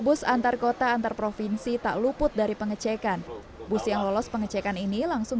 bus antar kota antar provinsi tak luput dari pengecekan bus yang lolos pengecekan ini langsung